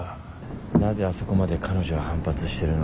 なぜあそこまで彼女は反発してるのか。